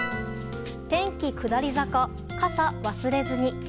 天気下り坂、傘忘れずに。